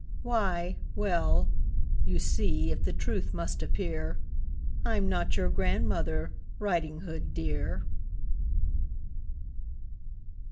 Why, well: you see if the truth must appear I'm not your grandmother, Riding Hood, dear!